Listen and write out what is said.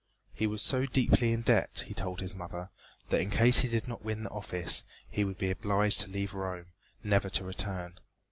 He was so deeply in debt, he told his mother, that in case he did not win the office he would be obliged to leave Rome, never to return.